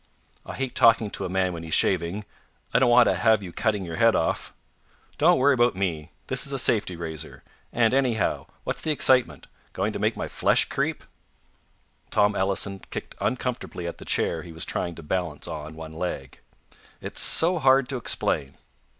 "I hate talking to a man when he's shaving. I don't want to have you cutting your head off." "Don't worry about me. This is a safety razor. And, anyhow, what's the excitement? Going to make my flesh creep?" Tom Ellison kicked uncomfortably at the chair he was trying to balance on one leg. "It's so hard to explain."